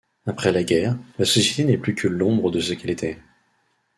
Après la guerre, la société n'est plus que l'ombre de ce qu'elle était.